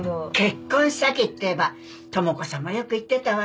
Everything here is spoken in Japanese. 結婚詐欺っていえば智子さんもよく言ってたわね。